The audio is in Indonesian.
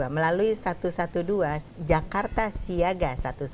melalui satu ratus dua belas jakarta siaga satu ratus dua belas